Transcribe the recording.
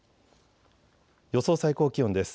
予想最高気温です。